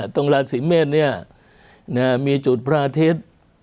ตรงราชสิเมศเนี่ยมีจุดพระอาทิตย์